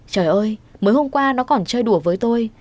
trời ơi mấy hôm qua nó còn chơi đùa với tôi